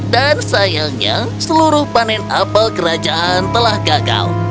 dan sayangnya seluruh panen apel kerajaan telah gagal